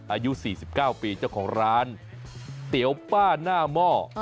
อายุ๔๙ปีเจ้าของร้านเตี๋ยวป้าหน้าหม้อ